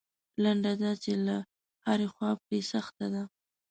لنډه دا چې له هرې خوا پرې سخته ده.